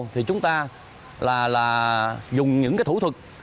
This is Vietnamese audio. thì chúng ta là dùng những thủ thuật